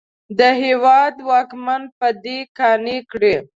د هېواد واکمن په دې قانع کړي.